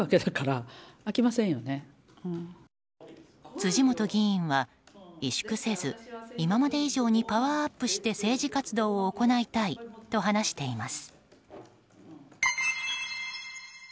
辻元議員は委縮せず今まで以上にパワーアップして政治活動を行いたいと話しています。